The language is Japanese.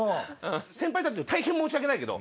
先輩たちに大変申し訳ないけど。